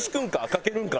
かけるんか？